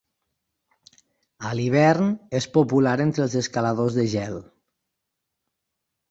A l'hivern, és popular entre els escaladors de gel.